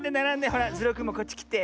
ほらズルオくんもこっちきて。